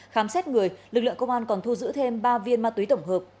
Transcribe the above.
khám xét người lực lượng công an còn thu giữ thêm ba viên ma túy tổng hợp